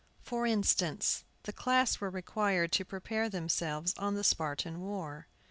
For instance: the class were required to prepare themselves on the Spartan war.